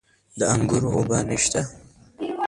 د انګورو اوبه نشته؟